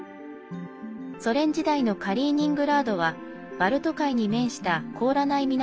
ソ連時代のカリーニングラードはバルト海に面した凍らない港